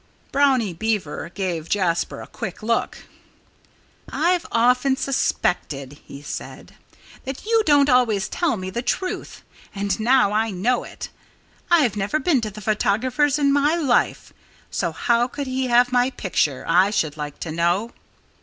Brownie Beaver gave Jasper a quick look. "I've often suspected," he said, "that you don't always tell me the truth. And now I know it. I've never been to the photographer's in my life. So how could he have my picture, I should like to know?"